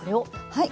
はい。